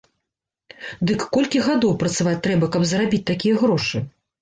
Дык колькі гадоў працаваць трэба, каб зарабіць такія грошы?